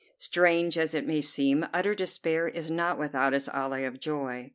Strange as it may seem, utter despair is not without its alloy of joy.